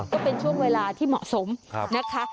ก็เป็นช่วงเวลาที่เหมาะสมนะคะ